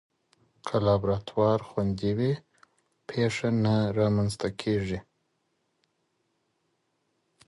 که لابراتوار خوندي وي، پېښه نه رامنځته کېږي.